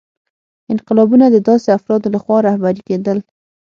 انقلابونه د داسې افرادو لخوا رهبري کېدل.